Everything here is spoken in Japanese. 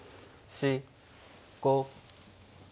４５。